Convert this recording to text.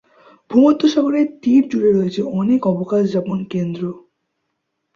ভূমধ্যসাগরের তীর জুড়ে রয়েছে অনেক অবকাশ যাপন কেন্দ্র।